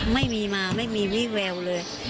ไม่มีมาไม่มีวิแววเลย